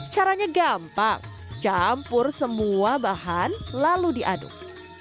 caranya gampang campur semua bahan lalu diaduk